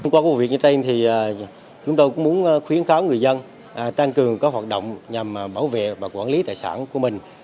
qua vụ việc như trên thì chúng tôi cũng muốn khuyến kháo người dân tăng cường các hoạt động nhằm bảo vệ và quản lý tài sản của mình